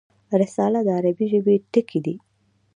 رساله د عربي ژبي ټکی دﺉ.